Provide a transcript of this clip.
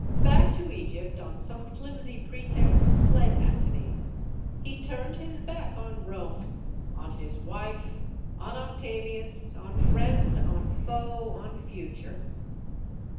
Back to Egypt, on some flimsy pretext, fled Antony. He turned his back on Rome, on his wife, on Octavius, on friend, on foe, on future.